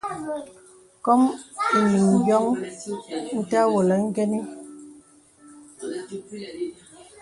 Kôm enīŋ yôŋ ntə́ avōlə īngə́nə́.